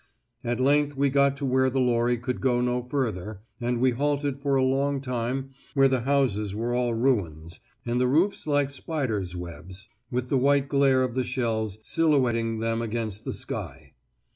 At length we got to where the lorry could go no further, and we halted for a long time at a place where the houses were all ruins and the roofs like spiders' webs, with the white glare of the shells silhouetting them against the sky.